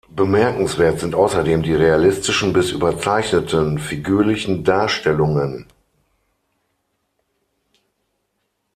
Bemerkenswert sind außerdem die realistischen bis überzeichneten figürlichen Darstellungen.